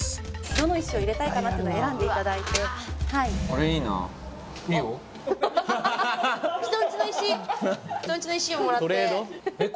どの石を入れたいかなっていうのを選んでいただいて人んちの石をもらってえっ